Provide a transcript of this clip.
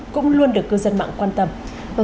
cũng luôn được cư dân mạng quan tâm